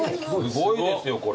すごいですよこれ。